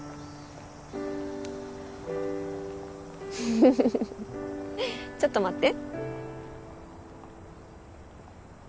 フフフちょっと待って。